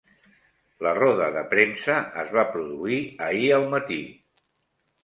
La roda de premsa es va produir ahir al matí.